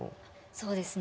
そうですね